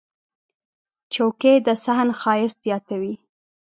چوکۍ د صحن ښایست زیاتوي.